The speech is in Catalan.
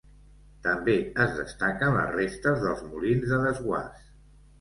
També es destaquen les restes dels molins de desguàs.